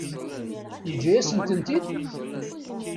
Yeǧǧa-yasent-tent-id?